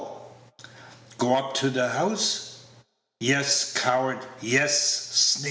"Go up to th' house?" "Yes, coward! yes, sneak!